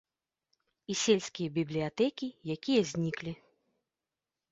І сельскія бібліятэкі, якія зніклі.